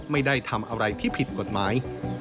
ไม่ได้ทำอะไรที่ผิดกฎหมาย